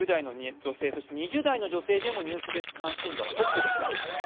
そして２０代の女性でもニュース別関心度はトップでした。